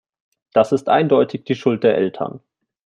Das ist eindeutig die Schuld der Eltern.